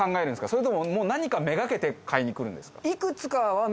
それとももう何かめがけて買いに来るんですか？